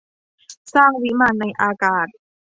สร้างวิมานในอากาศ